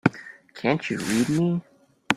Can't you read me?